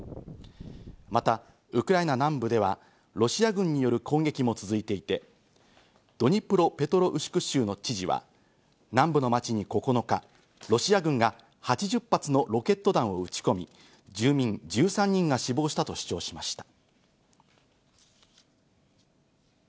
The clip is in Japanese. またウクライナ南部ではロシア軍による攻撃も続いていて、ドニプロペトロウシク州の知事は南部の町に９日、ロシア軍が８０発のロケット弾を撃ち込み、住民１３人が死亡したと主張しました。